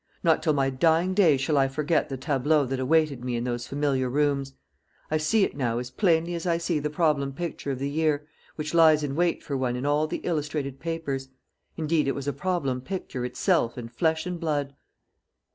Not till my dying day shall I forget the tableau that awaited me in those familiar rooms. I see it now as plainly as I see the problem picture of the year, which lies in wait for one in all the illustrated papers; indeed, it was a problem picture itself in flesh and blood.